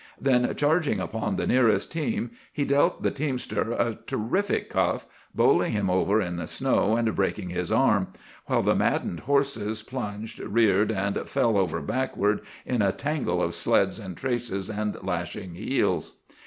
Then charging upon the nearest team, he dealt the teamster a terrific cuff, bowling him over in the snow and breaking his arm, while the maddened horses plunged, reared, and fell over backward in a tangle of sleds and traces and lashing heels.